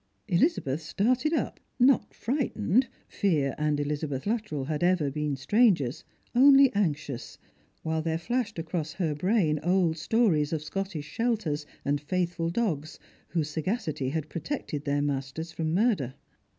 Elizabeth started np, not frightened — fear and Elizabeth Lut trell had ever been strangers — only anxious ; while there flashed across her brain old stories of Scottish shelters, and faithful dogs, whose sagacity had protected their masters from murder.